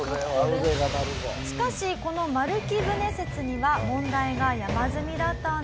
しかしこの丸木舟説には問題が山積みだったんです。